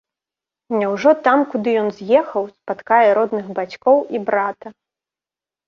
Няўжо там, куды ён з'ехаў, спаткае родных бацькоў і брата.